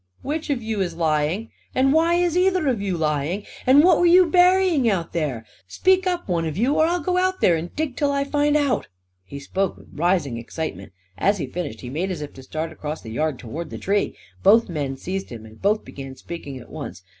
Which of you is lying? And why is either of you lying? And what were you burying out there? Speak up, one of you; or I'll go there and dig till I find out!" He spoke with rising excitement. As he finished he made as if to start across the yard towards the tree. Both men seized him and both began speaking at once.